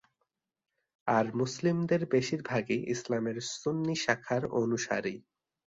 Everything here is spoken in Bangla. আর মুসলিমদের বেশির ভাগই ইসলামের সুন্নি শাখার অনুসারী।